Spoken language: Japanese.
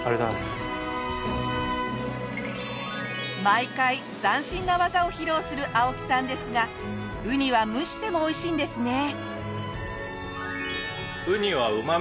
毎回斬新な技を披露する青木さんですがウニは蒸してもおいしいんですね。